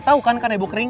tau kan kanebo kering